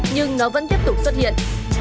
nhưng nó vẫn tiếp tục xuất hiện